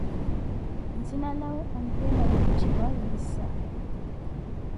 Nzinalawe onteela wiitthiwa Yinsa.